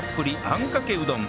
あんかけうどん